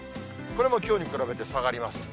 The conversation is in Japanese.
これもきょうに比べて下がります。